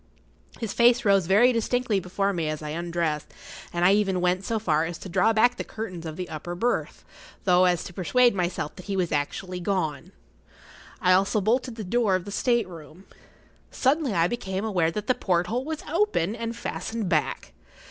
His face rose very distinctly before me as I undressed, and I even went so far as to draw back the curtains of the upper berth, as though to persuade myself that he was actually gone. I also bolted the door of the state room. Suddenly I[Pg 37] became aware that the porthole was open, and fastened back.